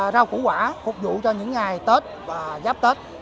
rau củ quả phục vụ cho những ngày tết và giáp tết